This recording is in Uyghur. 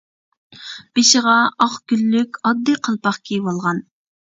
بېشىغا ئاق گۈللۈك ئاددىي قالپاق كىيىۋالغان.